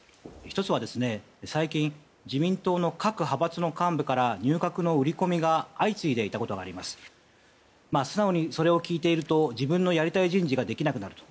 １つは、最近自民党の各派閥の幹部から入閣の売り込みが相次いでいたことがあります。素直にそれを聞いていると自分のやりたい人事ができなくなると。